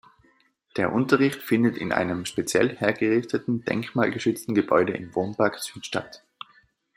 Der Unterricht findet in einem speziell hergerichteten denkmalgeschützten Gebäude im Wohnpark Süd statt.